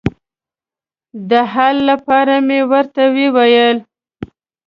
د حل لپاره مې ورته وویل.